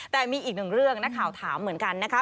แต่มีอีกหนึ่งเรื่องนักข่าวถามเหมือนกันนะคะ